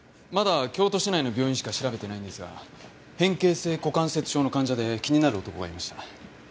まだ京都市内の病院しか調べてないんですが変形性股関節症の患者で気になる男がいました。